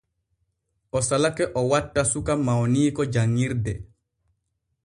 O salake o watta suka mawniiko janŋirde.